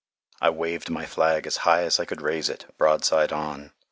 I waved my flag as high as I could raise it, broadside on.